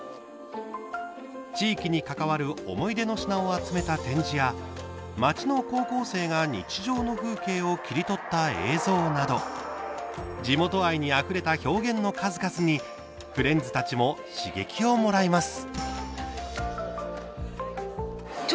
地域に関わる思い出の品を集めた展示や町の高校生が日常の風景を切り取った映像など地元愛にあふれた表現の数々にフレンズたちも刺激をもらいます。